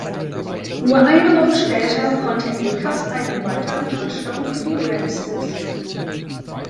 Nur eine Woche später konnte Akers einen weiteren Touchdown für die Rams erzielen.